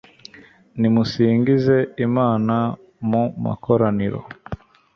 Nimusingize Imana mu makoraniro